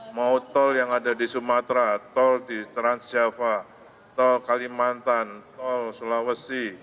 mau tol yang ada di sumatera tol di transjava tol kalimantan tol sulawesi